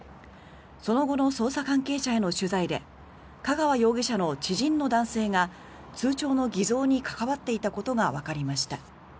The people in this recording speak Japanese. その後の捜査関係者への取材で香川容疑者の知人の男性が通帳の偽造に関わっていたことがわかりました。